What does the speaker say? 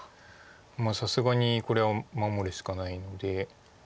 さすがにこれは守るしかないので。